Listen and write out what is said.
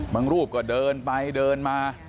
รูปก็เดินไปเดินมา